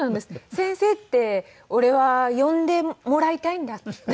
「先生って俺は呼んでもらいたいんだ」って言って。